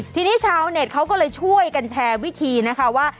ทีนี้ชาวเน็ตเขาก็เลยช่วยกันแชร์วิธีนะคะว่า